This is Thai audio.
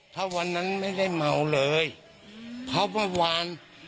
ถ้าวันนั้นไม่ได้เมาเลยเพราะเมื่อวาน